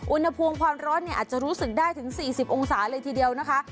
อุณหภูมิความร้อนอาจจะรู้สึกได้ถึง๔๐องศาเลยทีเดียวนะคะ